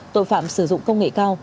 tội phạm sử dụng công nghệ cao